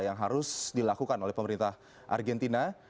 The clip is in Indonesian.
yang harus dilakukan oleh pemerintah argentina